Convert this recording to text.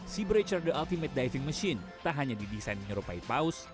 seabrature the ultimate diving machine tak hanya didesain menyerupai paus